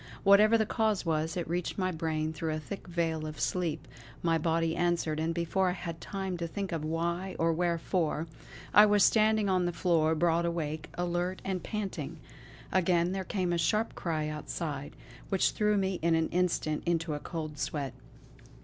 Whatever the cause was, it reached my brain through a thick veil of sleep; my body answered, and before I had time to think of why or wherefore, I was standing on the floor broad awake, alert and panting. Again there came a sharp cry outside, which threw me in an instant into a cold sweat.